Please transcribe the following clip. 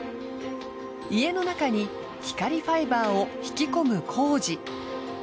家の中に光ファイバーを引き込む工事。